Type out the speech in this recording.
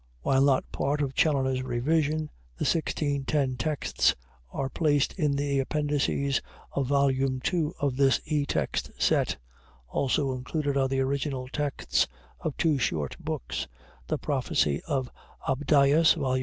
While not part of Challoner's revision, the 1610 texts are placed in the appendices of Vol. II of this e text set. Also included are the original texts of two short books, 'The Prophecie of Abdias' (Vol.